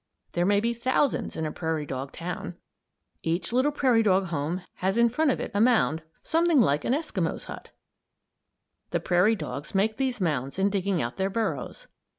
There may be thousands in a prairie dog town. Each little prairie dog home has in front of it a mound something like an Eskimo's hut. The prairie dogs make these mounds in digging out their burrows.